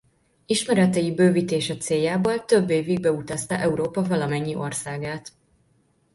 Ismeretei bővítése céljából több évig beutazta Európa valamennyi országát.